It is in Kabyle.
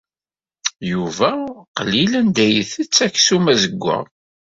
Yuba qlil anda isett aksum azewwaɣ.